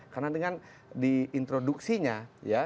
karena dengan di introduksinya ya